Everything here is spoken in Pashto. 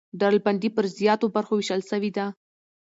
ډلبندي پر زیاتو برخو وېشل سوې ده.